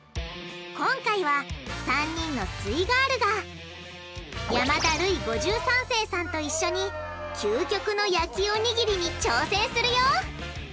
今回は３人のすイガールが山田ルイ５３世さんと一緒に究極の焼きおにぎりに挑戦するよ！